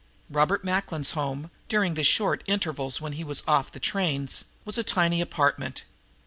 Robert Macklin's home, during the short intervals when he was off the trains, was in a tiny apartment.